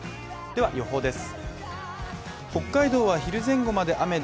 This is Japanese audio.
では予報です。